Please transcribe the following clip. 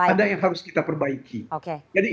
ada yang harus kita perbaiki